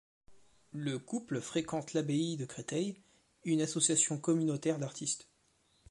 Le couple fréquente l'abbaye de Créteil, une association communautaire d'artistes.